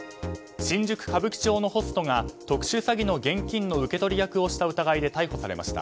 新宿・歌舞伎町のホストは特殊詐欺の現金の受け取り役をした疑いで逮捕されました。